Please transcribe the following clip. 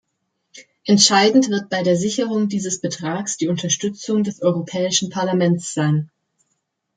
Entscheidend wird bei der Sicherung dieses Betrags die Unterstützung des Europäischen Parlaments sein.